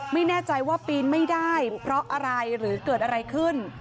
ไม่แน่ใจว่าปีนไม่ได้เพราะอะไรหรือเกิดอะไรขึ้น